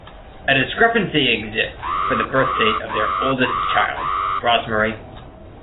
A discrepancy exists for the birth date of their oldest child, Rosmarie.